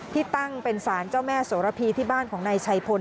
ที่ตั้งเป็นสารเจ้าแม่โสระพีที่บ้านของนายชัยพล